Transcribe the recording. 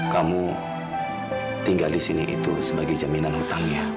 kamu tinggal disini itu sebagai jaminan hutangnya